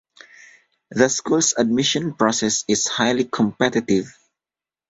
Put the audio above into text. The school's admission process is highly competitive.